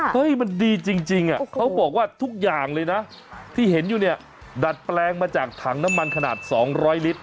เฮ้ยมันดีจริงเขาบอกว่าทุกอย่างเลยนะที่เห็นอยู่เนี่ยดัดแปลงมาจากถังน้ำมันขนาด๒๐๐ลิตร